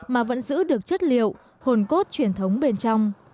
mà vẫn giữ được chất liệu hồn cốt truyền thống bên trong